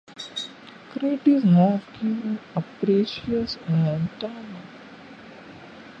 Critics have given praise to Toma.